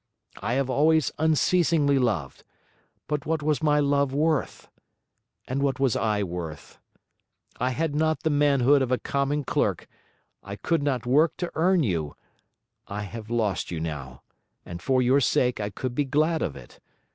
I have always unceasingly loved, but what was my love worth? and what was I worth? I had not the manhood of a common clerk, I could not work to earn you; I have lost you now, and for your sake I could be glad of it.